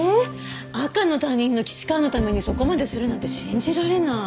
赤の他人の岸川のためにそこまでするなんて信じられない。